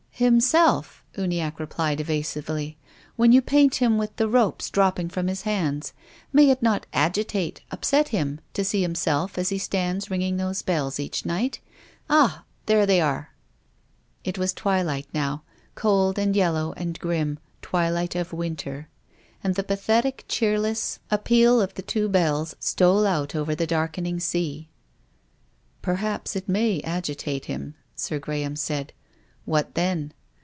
"Himself," Uniacke replied, evasively. "When you paint him with the ropes dropping from his hands. May it not agitate, upset him, to sec him self as he stands ringing those bells each night? Ah ! there they are !" It wastwilight now, cold, and yc. Ilow, and grim ; twilight of winter. And the pathetic, cheerless 84 TONGUES OF CONSCIENCE. appeal of the two bells stole out over the darken ing sea. " Perhaps it may agitate him," Sir Graham said. " What then